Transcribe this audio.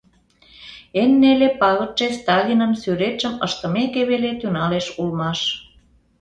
Эн неле пагытше Сталинын сӱретшым ыштымеке веле тӱҥалеш улмаш.